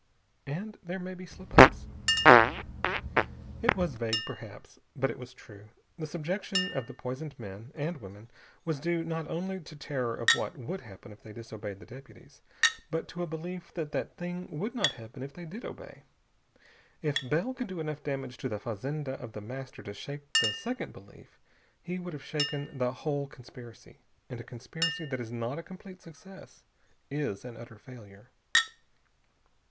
And there may be slip ups." It was vague, perhaps, but it was true. The subjection of the poisoned men and women was due not only to terror of what would happen if they disobeyed the deputies, but to a belief that that thing would not happen if they did obey. If Bell could do enough damage to the fazenda of The Master to shake the second belief, he would have shaken the whole conspiracy. And a conspiracy that is not a complete success is an utter failure.